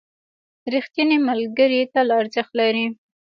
ریښتیني ملګري تل ارزښت لري.